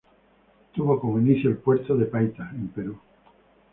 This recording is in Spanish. Tuvo como inicio el puerto de Paita, en Perú.